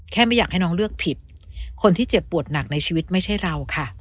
ไม่อยากให้น้องเลือกผิดคนที่เจ็บปวดหนักในชีวิตไม่ใช่เราค่ะ